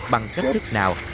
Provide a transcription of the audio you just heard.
bằng cách thức nào